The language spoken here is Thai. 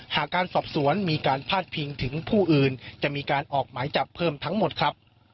หากการสอบสวนมีการพาดพิงถึงผู้อื่นจะมีการออกหมายจับเพิ่มทั้งหมดครับ